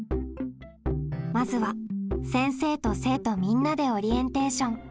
まずは先生と生徒みんなでオリエンテーション。